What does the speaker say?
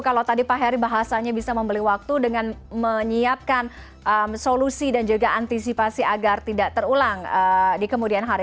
kalau tadi pak heri bahasanya bisa membeli waktu dengan menyiapkan solusi dan juga antisipasi agar tidak terulang di kemudian hari